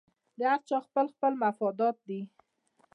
د هر چا خپل خپل مفادات دي